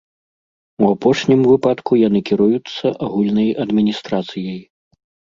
У апошнім выпадку яны кіруюцца агульнай адміністрацыяй.